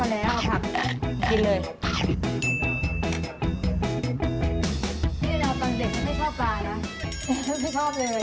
ไม่ชอบเลย